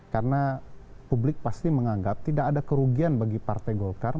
karena publik pasti menganggap tidak ada kerugian bagi partai golkar